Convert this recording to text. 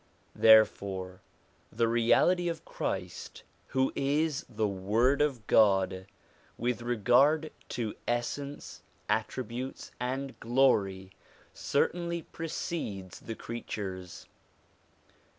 Therefore the Reality of Christ, who is the Word of God, with regard to essence, attributes, and glory, certainly precedes the creatures.